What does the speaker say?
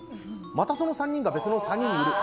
またその３人が別の３人に売る。